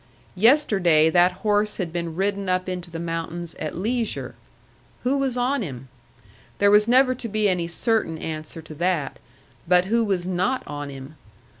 Yesterday that horse had been ridden up into the mountains at leisure. Who was on him? There was never to be any certain answer to that. But who was not on him?